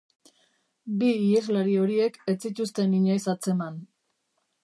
Bi iheslari horiek ez zituzten inoiz atzeman.